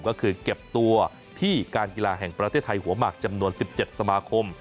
ก็คือเก็บตัวที่การกีฬาแห่งประเทศไทยหัวหมากจำนวน๑๗สมาคม